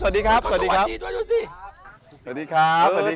ชื่องนี้ชื่องนี้ชื่องนี้ชื่องนี้ชื่องนี้ชื่องนี้